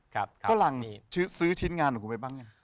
ฝรั่งนี่ซื้อชิ้นงานของคุณไปบ้างเนี่ย